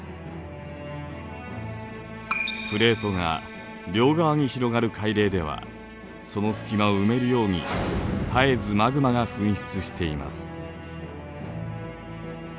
プレートが両側に広がる海嶺ではその隙間を埋めるように絶えずマグマが噴出しています。